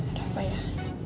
udah apa ya